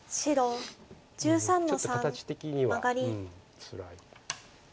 ちょっと形的にはつらい。